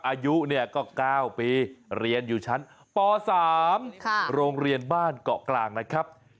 อายุเนี่ยก็๙ปีเรียนอยู่ชั้นป๓โรงเรียนบ้านเกาะกลางนะครับ